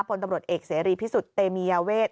พลตำรวจเอกเสรีพิสุทธิ์เตมียาเวท